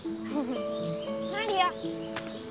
マリア！